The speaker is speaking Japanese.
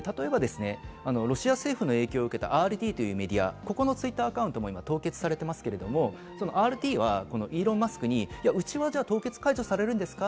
ロシア政府の影響を受けたＲＴというメディア、ここのＴｗｉｔｔｅｒアカウントも今、凍結されていますけど、イーロン・マスクに、うちは凍結解除されるんですか？